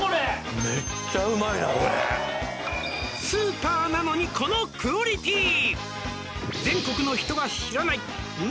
「スーパーなのにこのクオリティ！」